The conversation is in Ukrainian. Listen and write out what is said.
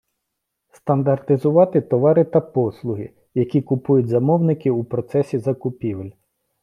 Стандартизувати товари та послуги, які купують замовники у процесі закупівель.